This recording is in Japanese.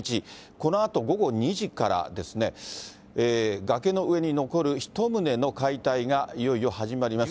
このあと午後２時からですね、崖の上に残る１棟の解体がいよいよ始まります。